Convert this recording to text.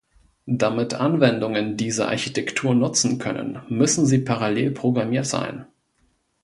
Damit Anwendungen diese Architektur nutzen können, müssen sie parallel programmiert sein.